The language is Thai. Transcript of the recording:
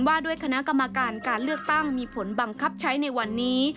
ว่าด้วยคณะกรรมการการเลือกตั้งมีผลบังคับใช้ในวันนี้